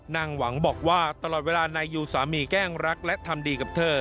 นางหวังบอกว่าตลอดเวลานายยูสามีแกล้งรักและทำดีกับเธอ